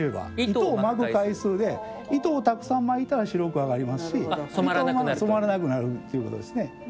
糸を巻く回数で糸をたくさん巻いたら白く上がりますし染まらなくなるっていうことですね。